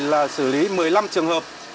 là xử lý một mươi năm trường hợp